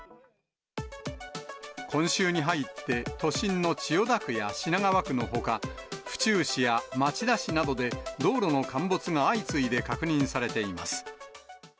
今週に入って、都心の千代田区や品川区のほか、府中市や町田市などで、道路の陥没が相次いで確認されています。